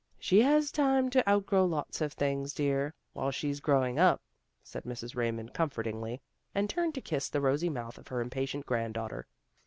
" She has time to outgrow lots of things, dear, while she's growing up," said Mrs. Raymond comfortingly, and turned to kiss the rosy mouth of her impatient granddaughter.